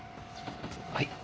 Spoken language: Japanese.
はい。